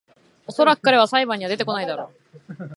おそらく彼は裁判には出てこないだろ